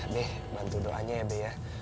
be bantu doanya ya be